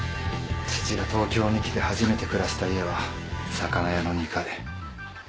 父が東京に来て初めて暮らした家は魚屋の２階。